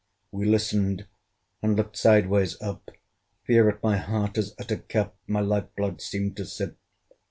We listened and looked sideways up! Fear at my heart, as at a cup, My life blood seemed to sip!